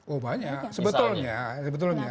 oh banyak sebetulnya